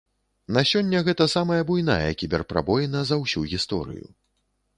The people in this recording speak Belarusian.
На сёння гэта самая буйная кібер-прабоіна за ўсю гісторыю.